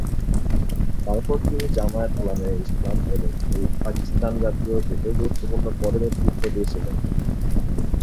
তারপরে তিনি জমিয়ত উলামায়ে ইসলাম এবং পাকিস্তান জাতীয় জোটে গুরুত্বপূর্ণ পদে নেতৃত্ব দিয়েছিলেন।